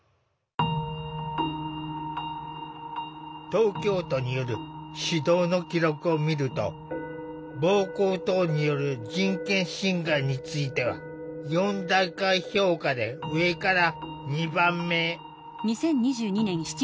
東京都による指導の記録を見ると暴行等による人権侵害については４段階評価で上から２番目。